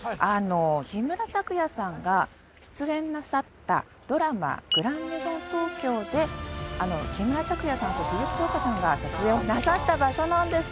木村拓哉さんが出演なさったドラマ「グランメゾン東京」で木村拓哉さんと鈴木京香さんが撮影なさった場所なんです